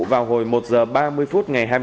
vào hồi một giờ ba mươi phút ngày